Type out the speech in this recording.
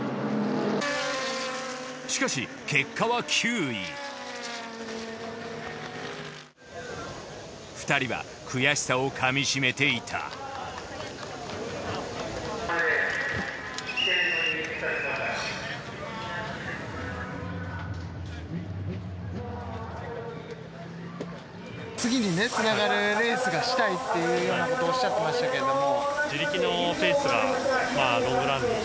しかし結果は９位２人は悔しさをかみしめていた次にねつながるレースがしたいっていうようなことをおっしゃってましたけれども。